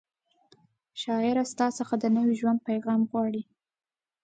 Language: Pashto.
شاعره ستا څخه د نوي ژوند پیغام غواړي